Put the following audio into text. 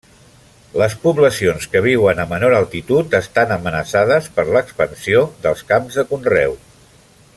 Les poblacions que viuen a menor altitud estan amenaçades per l'expansió dels camps de conreu.